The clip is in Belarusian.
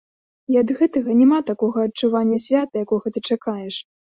І ад гэтага няма такога адчування свята, якога ты чакаеш.